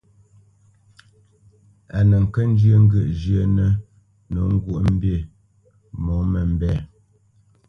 A nə kə́ njyə́ ŋgyə̂ʼ zhyə́nə̄ nǒ ŋgwǒʼmbî mǒmə́mbɛ̂.